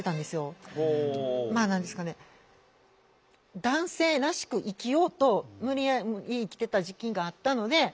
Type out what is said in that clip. まあ何ですかね男性らしく生きようと無理やり生きてた時期があったので。